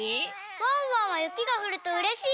ワンワンはゆきがふるとうれしい？